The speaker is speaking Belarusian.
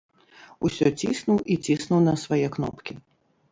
Усё ціснуў і ціснуў на свае кнопкі.